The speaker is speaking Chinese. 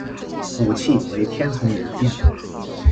武器为天丛云剑。